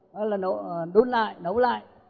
đó là đun lại nấu lại